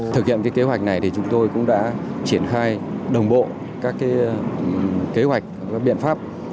thực hiện kế hoạch này thì chúng tôi cũng đã triển khai đồng bộ các kế hoạch các biện pháp